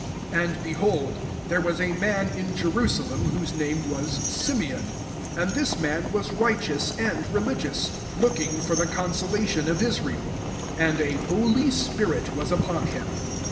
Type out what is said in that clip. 25 And, behold, there was tt man in Jerusalem, whose name was Simeon ; and this rnan was righteous and religious, looking for the consolation of Israel: awo a holy spirit was upon him.